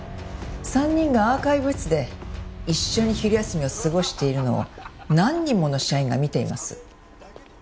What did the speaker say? ３人がアーカイブ室で一緒に昼休みを過ごしているのを何人もの社員が見ています。